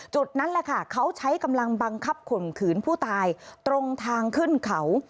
จุดนั้นแหละค่ะเขาใช้กำลังบังคับข่มขืนผู้ตายตรงทางขึ้นเขา